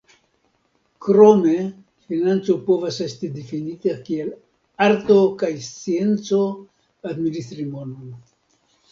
Krome financo povas esti difinita kiel "arto kaj scienco administri monon.